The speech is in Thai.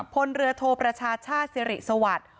พลเรือโทประชาชาติสิริสวัสดิ์